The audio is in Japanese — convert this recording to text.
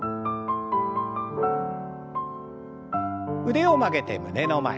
腕を曲げて胸の前。